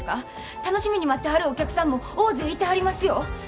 楽しみに待ってはるお客さんも大勢いてはりますよ。